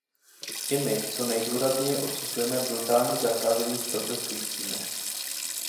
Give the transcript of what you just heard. I my co nejdůrazněji odsuzujeme brutální zacházení s protestujícími.